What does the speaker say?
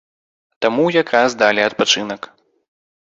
Таму як раз далі адпачынак.